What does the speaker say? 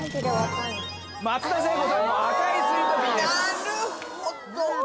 ・なるほど！